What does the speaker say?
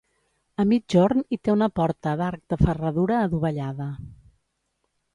A migjorn hi té una porta d'arc de ferradura adovellada.